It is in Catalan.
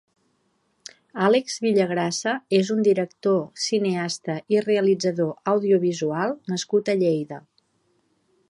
Àlex Villagrasa és un director, cineasta i realitzador audiovisual nascut a Lleida.